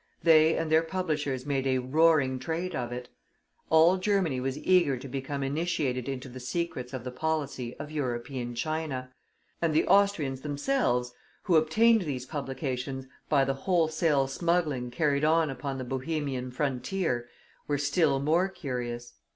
They and their publishers made "a roaring trade" of it. All Germany was eager to become initiated into the secrets of the policy of European China; and the Austrians themselves, who obtained these publications by the wholesale smuggling carried on upon the Bohemian frontier, were still more curious.